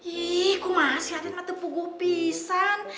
ih kok mahasiswa aden mah tepuk gupisan